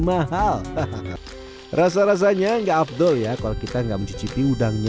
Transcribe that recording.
mahal hahaha rasa rasanya enggak abdul ya kalau kita nggak mencuci nowadays kita menikmati udangnya